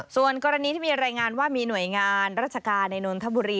ส่วนกรณีที่มีรายงานว่ามีหน่วยงานราชการในนนทบุรี